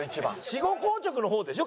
死後硬直の方でしょ？